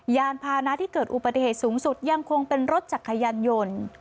ยานพานะที่เกิดอุบัติเหตุสูงสุดยังคงเป็นรถจักรยานยนต์